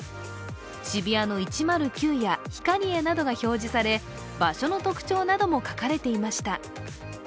渋谷の１０９やヒカリエなどが表示され場所の特徴なども書かれていました。